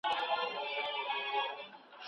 د پرمختګ چانس یوازي پوهو خلګو ته نه سي سپارل کېدلای.